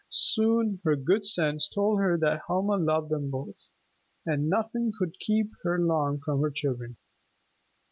Soon her good sense told her that Helma loved them both, and nothing could keep her long from her children.